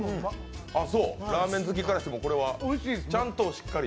あ、そう、ラーメン好きからしてもこれは、ちゃんとしっかり？